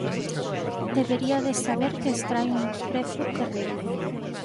Deberiades saber que extrae un prezo terrible.